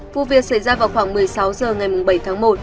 vụ việc xảy ra vào khoảng một mươi sáu h ngày bảy tháng một